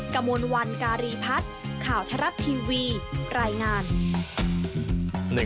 กระมวลวันการีพัฒน์ข่าวทรัฐทีวีรายงาน